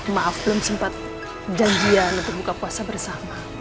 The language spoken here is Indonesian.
maaf belum sempat janjian untuk buka puasa bersama